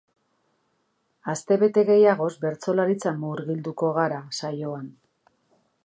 Astebete gehiagoz bertsolaritzan murgilduko gara saioan.